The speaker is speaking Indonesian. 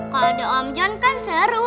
kalo ada om john kan seru